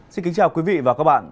xin kính chào quý vị và các bạn